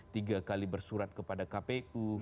tiga kali bersurat kepada kpu